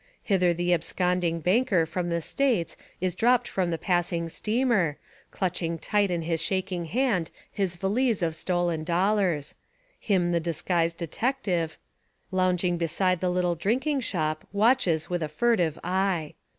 Hither the abscond ing banker from the States is dropped from the passing steamer, clutching tight in his shaking hand his valise of stolen dollars; him the dis guised detective, lounging beside the little drink ing shop, watches with a furtive eye.